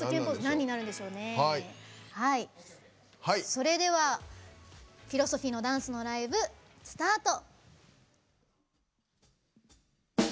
それではフィロソフィーのダンスのライブ、スタート。